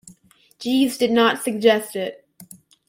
Jeeves did not suggest it.